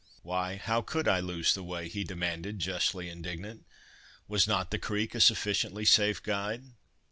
"Why! how could I lose the way?" he demanded, justly indignant. "Was not the creek a sufficiently safe guide?"